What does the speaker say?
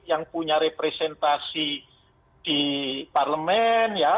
yang punya representasi di parlemen ya